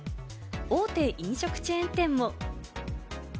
大手飲食チェーン店も。